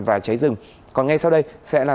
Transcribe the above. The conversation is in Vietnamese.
và cháy rừng còn ngay sau đây sẽ là